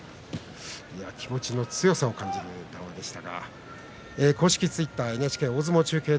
気持ちの強さを感じるコメントでした。